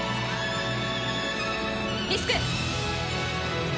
リスク。